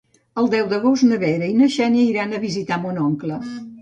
El deu d'agost na Vera i na Xènia iran a visitar mon oncle.